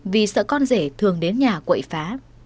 vì sợ con dễ thường đến nhà quậy phá